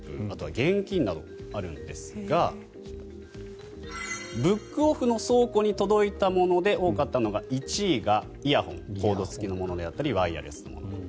あとは現金などがあるんですがブックオフの倉庫に届いたもので多かったのが１位がイヤホンコード付きのものであったりワイヤレスのもの。